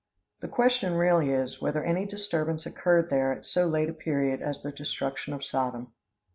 The question really is, whether any disturbance occurred there at so late a period as the destruction of Sodom.